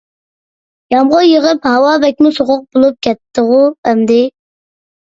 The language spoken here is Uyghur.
يامغۇر يېغىپ ھاۋا بەكمۇ سوغۇق بولۇپ كەتتىغۇ ئەمدى.